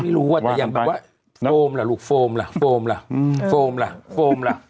ไม่รู้อ่ะแต่อย่างแบบว่าโฟมล่ะลูกโฟมล่ะโฟมล่ะโฟมล่ะโฟมล่ะ